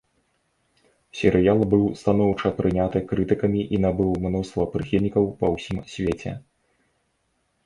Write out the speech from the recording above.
Серыял быў станоўча прыняты крытыкамі і набыў мноства прыхільнікаў па ўсім свеце.